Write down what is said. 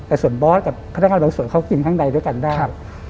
แต่ส่วนบอสและพระราชาวสวยเขากินข้างในด้วยกันได้